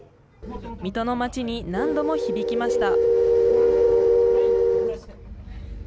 水戸の街に何度も響きました。